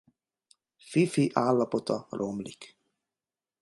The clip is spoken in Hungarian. Fifi állapota romlik.